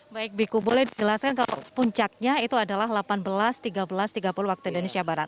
baik biku boleh dijelaskan kalau puncaknya itu adalah delapan belas tiga belas tiga puluh waktu indonesia barat